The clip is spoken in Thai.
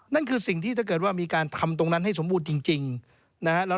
นั่นคือสิ่งที่ถ้าเกิดว่ามีการทำตรงนั้นให้สมบูรณ์จริงนะฮะ